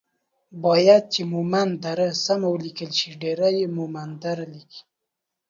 بايد چې مومند دره سمه وليکل شي ،ډير يي مومندره ليکي